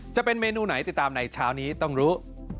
จะเป็นเมนูไหนติดตามในเช้านี้ต้องรู้